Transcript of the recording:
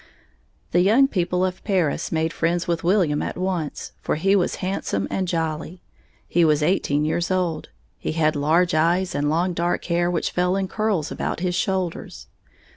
The young people of Paris made friends with William at once, for he was handsome and jolly. He was eighteen years old. He had large eyes and long dark hair which fell in curls about his shoulders.